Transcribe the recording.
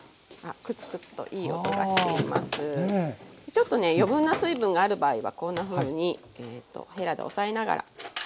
ちょっとね余分な水分がある場合はこんなふうにへらで押さえながら。